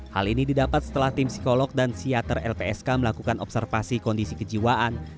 hal ini didapat setelah tim psikolog dan siater lpsk melakukan observasi kondisi kejiwaan